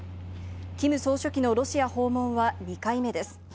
キム総書記のロシア訪問は２回目です。